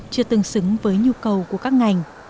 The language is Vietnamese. chưa tương xứng với nhu cầu của các ngành